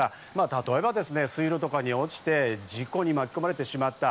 例えば水路に落ちてしまって、事故に巻き込まれてしまった。